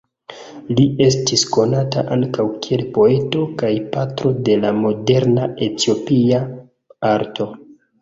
Li estis konata ankaŭ kiel poeto kaj patro de la moderna Etiopia arto.